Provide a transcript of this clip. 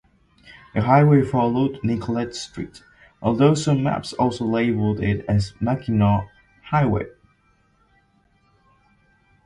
The highway followed Nicolet Street, although some maps also labeled it as Mackinaw Highway.